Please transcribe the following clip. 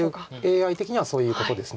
ＡＩ的にはそういうことです。